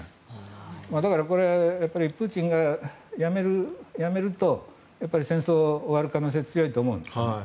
だからプーチンが辞めると戦争が終わる可能性が強いと思います。